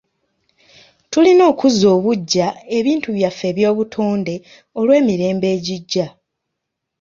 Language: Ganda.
Tulina okuzza obuggya ebintu byaffe eby'obutonde olw'emirembe egijja.